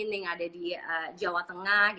yang ada di jawa tengah